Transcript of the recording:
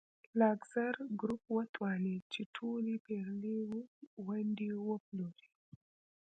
لاکزر ګروپ وتوانېد چې ټولې پېرلې ونډې وپلوري.